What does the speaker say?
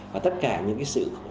và tất cả những cái sự